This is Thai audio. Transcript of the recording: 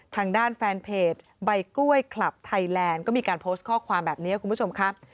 ทางด้านแฟนเพจใบกล้วยคลับไทยแลนด์ก็มีการโพสต์ข้อความแบบนี้คุณผู้ชมครับ